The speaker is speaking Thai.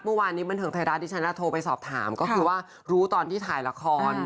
เมื่อวานนี้บันเทิงไทยรัฐที่ฉันโทรไปสอบถามก็คือว่ารู้ตอนที่ถ่ายละคร